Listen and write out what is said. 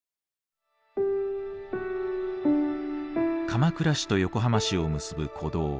鎌倉市と横浜市を結ぶ古道